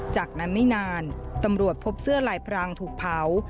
จากนั้นไม่นานตำรวจพบเสื้อลายพรางถูกเผา